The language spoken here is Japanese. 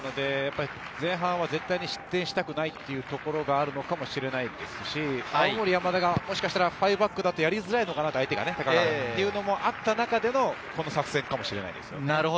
前半は絶対に失点したくないというところがあるのかもしれないですし、青森山田がもしかしたら５バックだとやりづらいのかなというのがあった中でのこの作戦かもしれないですよね。